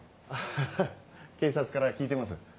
あ警察から聞いてます？